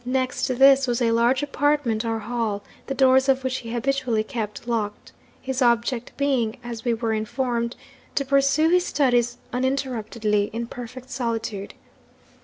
Next to this was a large apartment or hall, the doors of which he habitually kept locked, his object being (as we were informed) to pursue his studies uninterruptedly in perfect solitude.